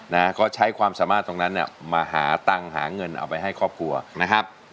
นะเขาใช้ความสามารถตรงนั้นเนี่ยมาหาตังค์หาเงินเอาไปให้ครอบครัวนะครับ